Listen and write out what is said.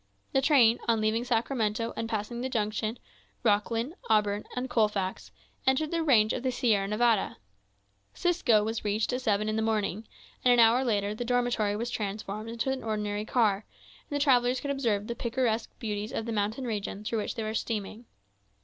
The train, on leaving Sacramento, and passing the junction, Roclin, Auburn, and Colfax, entered the range of the Sierra Nevada. 'Cisco was reached at seven in the morning; and an hour later the dormitory was transformed into an ordinary car, and the travellers could observe the picturesque beauties of the mountain region through which they were steaming.